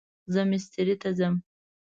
زه مستری ته ځم